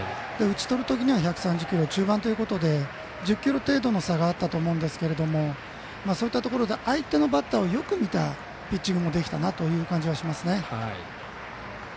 打ち取るときには１３０キロ中盤ということで１０キロ程度の差があったと思うんですけれどもそういったところでも相手のバッターをよく見たピッチングができたなという感じはしますね。